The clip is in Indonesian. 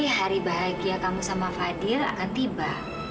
hari bahagia kamu sama fadil akan tiba